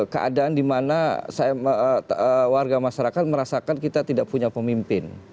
keadaan dimana warga masyarakat merasakan kita tidak punya pemimpin